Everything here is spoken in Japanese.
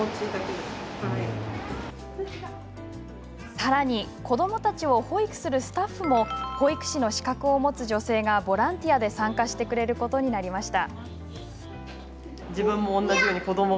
さらに子どもたちを保育するスタッフも保育士の資格を持つ女性がボランティアで参加してくれることになりました。